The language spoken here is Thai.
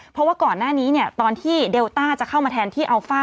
เพราะว่าก่อนหน้านี้เนี่ยตอนที่เดลต้าจะเข้ามาแทนที่อัลฟ่า